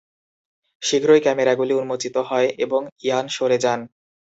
শীঘ্রই ক্যামেরাগুলি উন্মোচিত হয় এবং ইয়ান সরে যান।